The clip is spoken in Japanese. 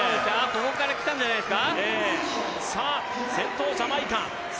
ここからきたんじゃないですか？